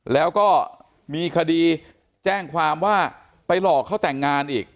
แล้วก็มีคดีแจ้งความว่าไปหลอกเขาแต่งงานอีก